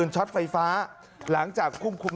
สวัสดีครับทุกคน